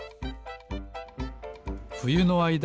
ふゆのあいだ